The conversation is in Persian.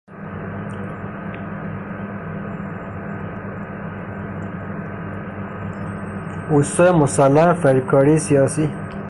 استا مسلم فریبکاری سیاسی